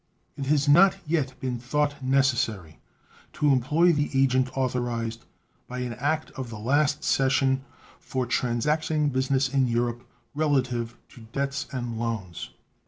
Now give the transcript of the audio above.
It has not yet been thought necessary to employ the agent authorized by an act of the last session for transacting business in Europe relative to debts and loans.